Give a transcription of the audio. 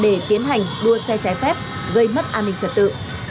để tiến hành đua xe trái phép gây mất an ninh trật tự